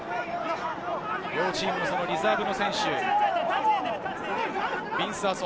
両チームのリザーブの選手、ヴィンス